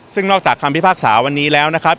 ซึ่งนอกจากคำพิพากษาวันนี้แล้วนะครับ